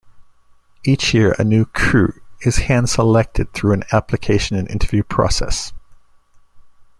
Each year a new Krewe is hand selected through an application and interview process.